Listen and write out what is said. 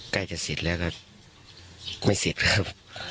ใกล้จะสิทธิ์แล้วก็ไม่สิทธิ์ครับ